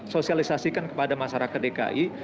sosialisasikan kepada masyarakat dki